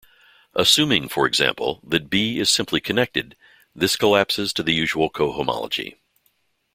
Assuming for example, that "B" is simply connected, this collapses to the usual cohomology.